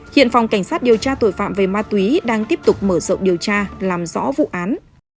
hiện phòng cảnh sát điều tra tội phạm về ma túy đang tiếp tục mở rộng điều tra làm rõ vụ án